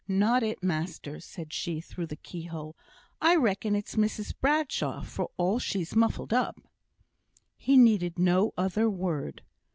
not it, master," said she, through the keyhole; "I reckon it's Mrs Bradshaw, for all she's muffled up." He needed no other word.